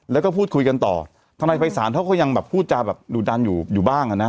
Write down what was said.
แล้วก็พูดคุยกันต่อทนายภัยศาลเขาก็ยังแบบพูดจาแบบดูดันอยู่อยู่บ้างอ่ะนะ